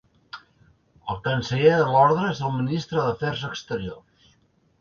El Canceller de l'Orde és el Ministre d'Afers Exteriors.